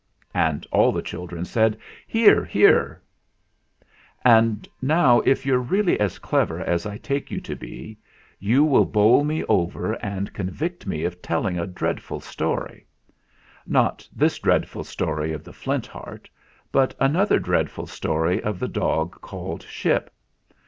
And all the children said : "Hear, hear !" And now, if you're really as clever as I take you to be, you will bowl me over and con vict me of telling a dreadful story. Not this dreadful story of the Flint Heart, but an other dreadful story of the dog called Ship.